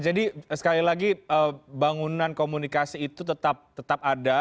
jadi sekali lagi bangunan komunikasi itu tetap ada